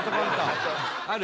・ある？